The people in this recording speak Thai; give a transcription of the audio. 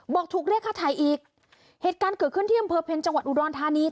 บอกถูกเรียกค่าถ่ายอีกเหตุการณ์เกิดขึ้นที่อำเภอเพ็ญจังหวัดอุดรธานี